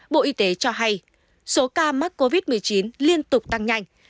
bộ y tế cho hay số ca mắc covid một mươi chín liên tục tăng nhanh